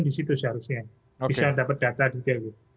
disitu seharusnya bisa dapat data detail